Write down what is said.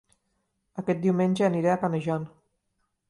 Aquest diumenge aniré a Canejan